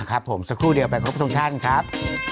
ครับผมสักครู่เดี๋ยวไปรับผู้ชมกับทุกท่านครับ